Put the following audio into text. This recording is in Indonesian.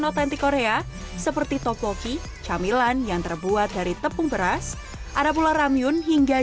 autentik korea seperti tokoki camilan yang terbuat dari tepung beras ada pula ramyun hingga